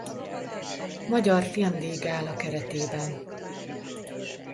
Magyar Filmdíj-gála keretében.